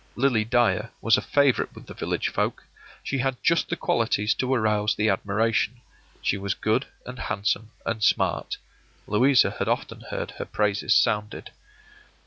Lily Dyer was a favorite with the village folk; she had just the qualities to arouse the admiration. She was good and handsome and smart. Louisa had often heard her praises sounded.